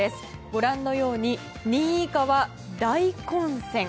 ご覧のように２位以下は大混戦。